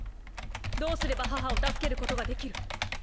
どうすれば母を助けることができる？